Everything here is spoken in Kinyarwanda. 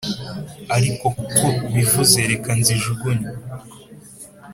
ariko kuko ubivuze reka nzijugunye